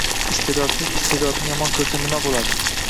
Iste’dodsiz iste’dodsizni yomon ko’rsa nima bo’ladi?